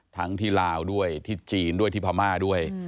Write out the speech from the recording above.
ทั้งที่ลาวด้วยที่จีนด้วยที่พามาร์ดด้วย